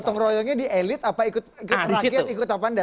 gotong royongnya di elit apa ikut rakyat ikut apa enggak